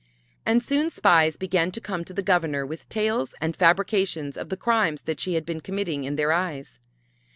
And soon spies began to come to the Governor with tales and fabrications of the crimes that she had been committing in their eyes.